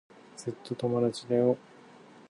ずっと友達だよ。